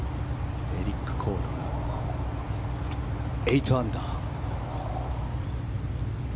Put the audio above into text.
エリック・コール８アンダー。